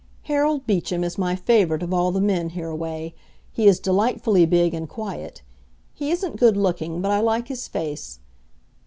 Harold Beecham is my favourite of all the men hereaway. He is delightfully big and quiet. He isn't good looking, but I like his face.